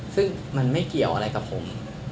ซึ่งมันไม่เกี่ยวอะไรกับผม